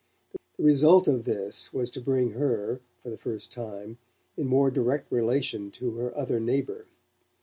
The result of this was to bring her, for the first time, in more direct relation to her other neighbour.